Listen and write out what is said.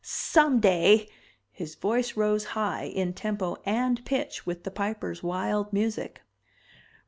Someday !" His voice rose high, in tempo and pitch with the Piper's wild music.